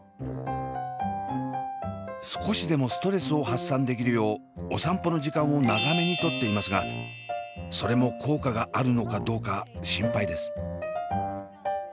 少しでもストレスを発散できるようお散歩の時間を長めに取っていますがそれも効果があるのかどうか心配です。